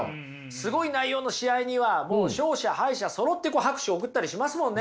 すごい内容の試合にはもう勝者敗者そろって拍手を送ったりしますもんね。